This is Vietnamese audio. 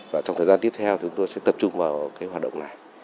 và trong thời gian tiếp theo chúng tôi sẽ tập trung vào cái hoạt động này